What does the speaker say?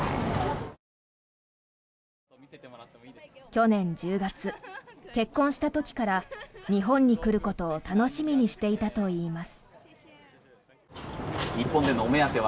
去年１０月、結婚した時から日本に来ることを楽しみにしていたといいます。